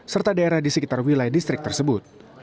serta daerah di sekitar wilayah distrik tersebut